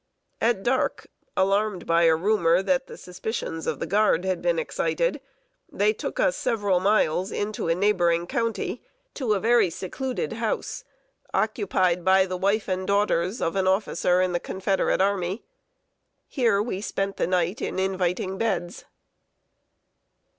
At dark, alarmed by a rumor that the suspicions of the Guard had been excited, they took us several miles into a neighboring county, to a very secluded house, occupied by the wife and daughters of an officer in the Confederate army. Here we spent the night in inviting beds.